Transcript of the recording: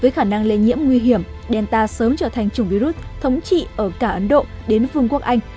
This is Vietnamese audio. với khả năng lây nhiễm nguy hiểm delta sớm trở thành chủng virus thống trị ở cả ấn độ đến phương quốc anh